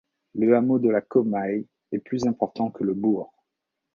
Le hameau de la Comaille est plus important que le bourg.